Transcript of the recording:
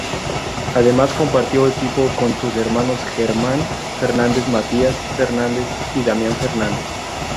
Además compartió equipo con sus hermanos, Germán Fernández, Matías Fernández y Damian Fernández.